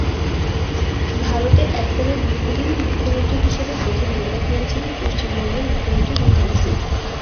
ভারতে একটানা দীর্ঘদিন মুখ্যমন্ত্রী হিসেবে প্রথম রেকর্ড গড়েছিলেন পশ্চিমবঙ্গের মুখ্যমন্ত্রী জ্যোতি বসু।